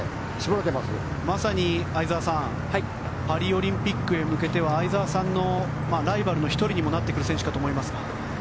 まさに相澤さんパリオリンピックへ向けては相澤さんのライバルの１人にもなってくるかと思いますが。